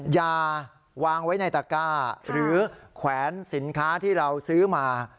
ยาวางไว้ในตะก้าหรือแขวนสินค้าที่เราซื้อมา